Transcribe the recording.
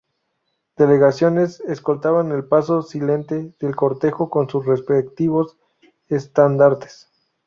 Delegaciones escoltaban el paso silente del cortejo con sus respectivos estandartes.